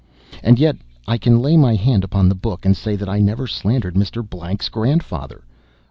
And yet I can lay my hand upon the Book and say that I never slandered Mr. Blank's grandfather.